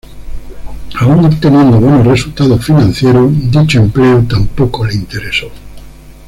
Aún obteniendo buenos resultados financieros, dicho empleo tampoco le interesó.